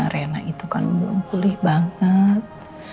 arena itu kan belum pulih banget